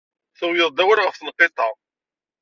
Tuwyeḍ-d awal ɣef tenqiḍt-a.